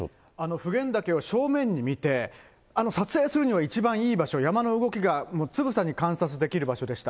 普賢岳を正面に見て、撮影するには一番いい場所、山の動きがつぶさに観察できる場所でした。